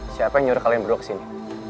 siapa yang nyuruh kalian berdua kesini